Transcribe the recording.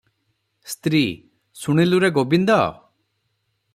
ସ୍ତ୍ରୀ -ଶୁଣିଲୁରେ ଗୋବିନ୍ଦ!